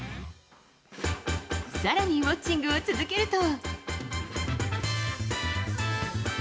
さらに、ウォッチングを続けると。